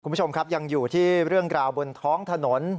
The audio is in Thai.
คุณผู้ชมครับยังอยู่ที่เรื่องราวบนท้องถนน